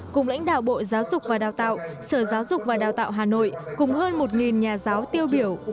cùng lãnh đạo bộ giáo dục và đào tạo sở giáo dục và đào tạo hà nội cùng hơn một nhà giáo tiêu biểu